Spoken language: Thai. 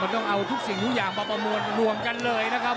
ต้องเอาทุกสิ่งทุกอย่างมาประมวลรวมกันเลยนะครับ